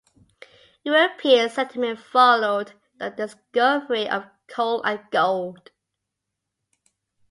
European settlement followed the discovery of coal and gold.